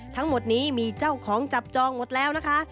ทั้งหมดนี้มีเจ้าของจับจองหมดแล้วนะคะ